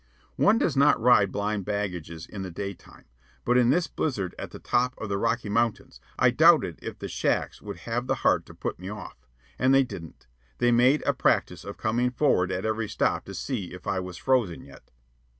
One does not ride blind baggages in the daytime; but in this blizzard at the top of the Rocky Mountains I doubted if the shacks would have the heart to put me off. And they didn't. They made a practice of coming forward at every stop to see if I was frozen yet.